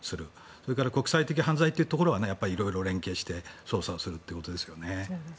そして国際的犯罪というところは色々連携して捜査するということですね。